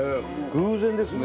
偶然ですね。